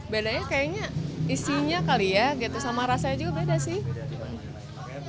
bedanya kayaknya isinya kali ya gitu sama rasanya juga beda sih